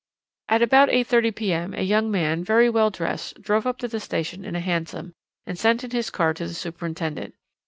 At about 8.30 p.m. a young man, very well dressed, drove up to the station in a hansom, and sent in his card to the superintendent.